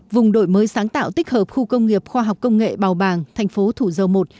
vùng đổi mới sáng tạo tích hợp khu công nghiệp khoa học công nghệ bào bàng thành phố thủ dầu một